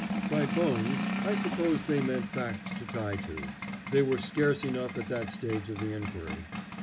By "bones" I suppose they meant facts to tie to. They were scarce enough at that stage of the inquiry.